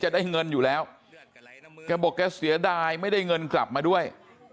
ได้เงินอยู่แล้วแกบอกแกเสียดายไม่ได้เงินกลับมาด้วย